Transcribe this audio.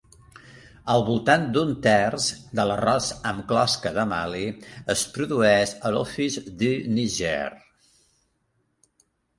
Al voltant d'un terç de l'arròs amb closca de Mali es produeix a l'Office du Niger.